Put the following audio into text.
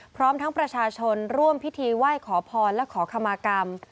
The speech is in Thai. พร้อมทั้งประชาชนร่วมพิธีไหว้ขอพรและขอขมากรรม